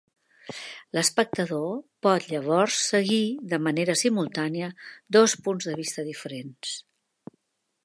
L'espectador pot llavors seguir de manera simultània dos punts de vista diferents.